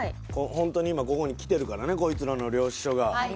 ホントにここに来てるからねこいつらの領収書が。